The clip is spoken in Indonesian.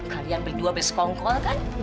kalian berdua bersekongkol kan